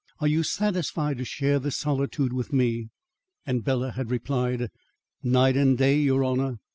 Are you satisfied to share this solitude with me?" And Bela had replied: "Night and day, your honour.